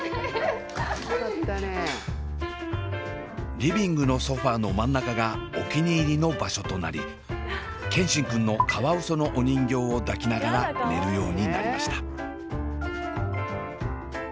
リビングのソファーの真ん中がお気に入りの場所となり健新くんのカワウソのお人形を抱きながら寝るようになりました。